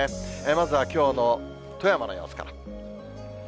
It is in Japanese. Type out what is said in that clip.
まずはきょうの富山の様子から。